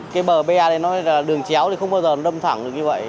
cái bờ be này nó là đường chéo thì không bao giờ nó đâm thẳng được như vậy